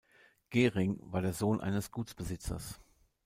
Gering war der Sohn eines Gutsbesitzers.